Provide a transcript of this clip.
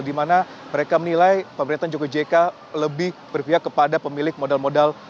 dimana mereka menilai pemerintahan jokowi jk lebih berpihak kepada pemilik modal modal besar